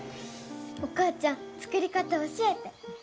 お母ちゃん作り方教えて。